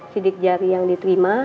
tidik jari yang diterima